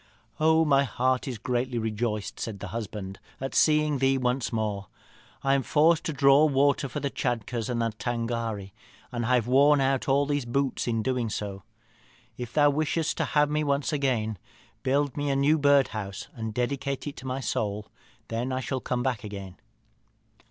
'Oh! my heart is greatly rejoiced,' said the husband, 'at seeing thee once more. I am forced to draw water for the Tschadkurrs and the Tângâri, and have worn out all these boots in doing so. If thou wishest to have me once again, build me a new birdhouse, and dedicate it to my soul; then I shall come back again.'